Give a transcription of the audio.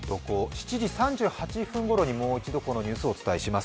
７時３８分ごろにもう一度このニュースをお伝えします。